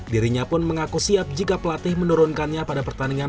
dirinya pun mengaku siap jika pelatih menurunkannya pada pertandingan